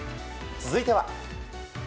続いては。